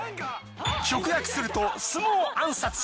直訳すると相撲暗殺者。